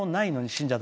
死んじゃ！